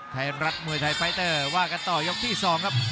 ไทยรัฐมวยไทยไฟเตอร์ว่ากันต่อยกที่๒ครับ